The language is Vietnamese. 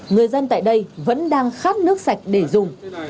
người dân tại đây vẫn đang khát nước sạch để dùng